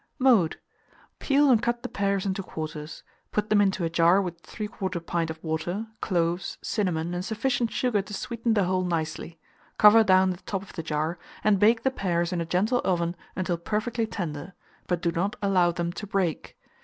Mode. Peel and cut the pears into quarters; put them into a jar with 3/4 pint of water, cloves, cinnamon, and sufficient sugar to sweeten the whole nicely; cover down the top of the jar, and bake the pears in a gentle oven until perfectly tender, but do not allow them to break.